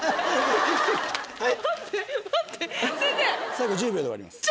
最後１０秒で終わります。